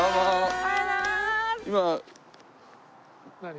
おはようございます！